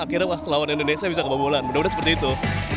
akhirnya pas lawan indonesia bisa kebobolan mudah mudahan seperti itu